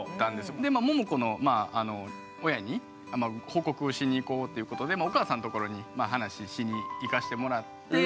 ももこの親に報告をしに行こうっていうことでお母さんのところに話しに行かしてもらって。